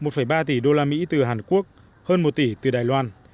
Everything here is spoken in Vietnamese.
một ba tỷ đô la mỹ từ hàn quốc hơn một tỷ từ đài loan